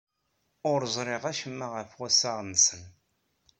Ur ẓriɣ acemma ɣef wassaɣ-nsen.